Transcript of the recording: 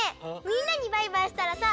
みんなにバイバイしたらさ